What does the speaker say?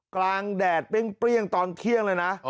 กลางแดดเปรี้ยงตอนเขี้ยงเลยนะ